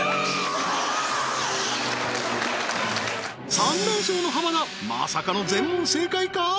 ３連勝の浜田まさかの全問正解か？